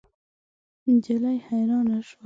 نجلۍ حیرانه شوه.